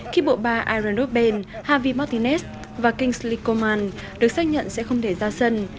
khi bộ ba aaron robben javi martinez và kingsley coman được xác nhận sẽ không thể ra sân